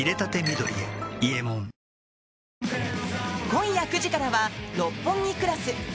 今夜９時からは「六本木クラス」。